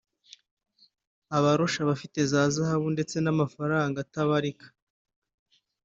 aba arusha abafite za zahabu ndetse n’amafaranga atabarika